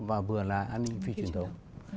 và vừa là an ninh phi truyền thống